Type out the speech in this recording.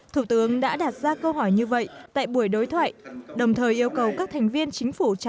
thủ tướng đã đặt ra câu hỏi như vậy tại buổi đối thoại